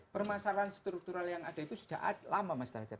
permasalahan struktural yang ada itu sudah lama mas tarjad